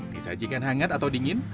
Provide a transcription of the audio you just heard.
disajikan hangat atau dingin